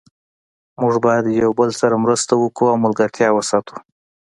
موږ باید یو بل سره مرسته وکړو او ملګرتیا وساتو